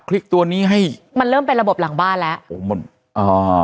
ลิกตัวนี้ให้มันเริ่มเป็นระบบหลังบ้านแล้วโอ้มันอ่า